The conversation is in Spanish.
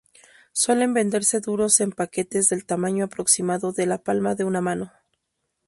Suelen venderse duros en paquetes del tamaño aproximado de la palma de una mano.